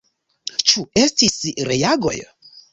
Ĉu estis reagoj?